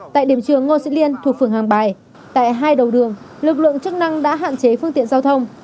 tại điểm trường ngô sĩ liên thuộc phường hàng bài tại hai đầu đường lực lượng chức năng đã hạn chế phương tiện giao thông